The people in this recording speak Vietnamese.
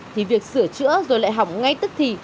thì việc sửa chữa rồi lại hỏng ngay tức thì